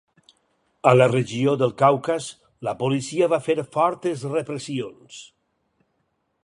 A la regió del Caucas, la policia va fer fortes repressions.